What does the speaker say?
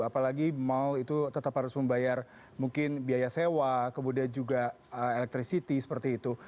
apalagi mal itu tetap harus membayar mungkin biaya sewa kemudian juga elektrisiti seperti itu